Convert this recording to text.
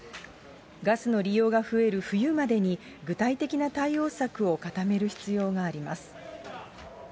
ガスの利用が増える冬までに、具体的な対応策を固める必要があります。